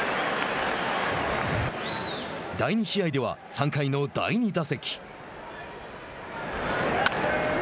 第２試合では３回の第２打席。